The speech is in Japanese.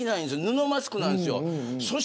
布マスクなんですよ。